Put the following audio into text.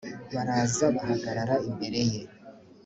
baraza bahagarara imbere ye.